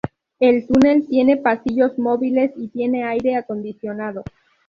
El túnel tiene pasillos móviles y tiene aire acondicionado.